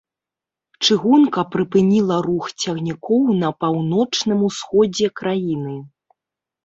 Чыгунка прыпыніла рух цягнікоў на паўночным усходзе краіны.